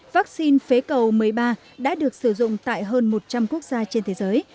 vaccine phế cầu một mươi ba đã được sử dụng tại hơn một trăm linh quốc gia trên thế giới